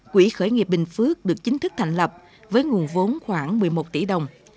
quỹ khởi nghiệp bình phước được chính thức thành lập với nguồn vốn khoảng một mươi một tỷ đồng